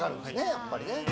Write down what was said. やっぱりね。